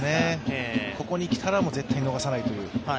ここに来たら絶対に逃さないという。